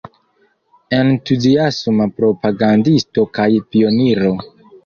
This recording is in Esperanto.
Entuziasma propagandisto kaj pioniro.